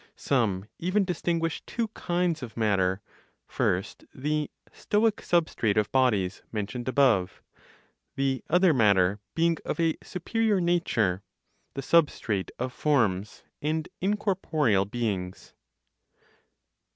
Some even distinguish two kinds of matter, first, the (Stoic) substrate of bodies, mentioned above; the other matter being of a superior nature, the substrate of forms and incorporeal beings.